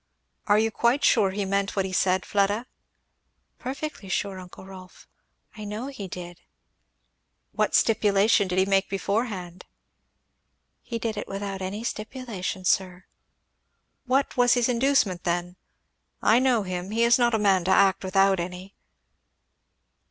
"Are you quite sure he meant what he said, Fleda?" "Perfectly sure, uncle Rolf! I know he did." "What stipulation did he make beforehand?" "He did it without any stipulation, sir." "What was his inducement then? If I know him he is not a man to act without any."